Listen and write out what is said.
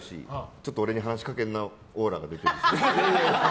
ちょっと俺に話しかけるなオーラが出てくる。